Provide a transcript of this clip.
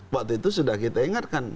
waktu itu sudah kita ingat kan